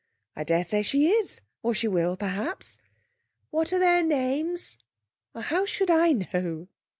'I daresay she is, or she will, perhaps.' 'What are their names?' 'How should I know?'